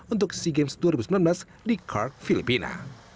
untuk sea games dua ribu sembilan belas di card filipina